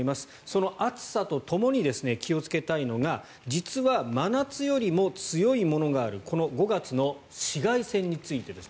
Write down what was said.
その暑さとともに気をつけたいのが実は真夏よりも強いものがあるこの５月の紫外線についてです。